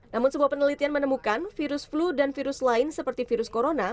namun sebuah penelitian menemukan virus flu dan virus lain seperti virus corona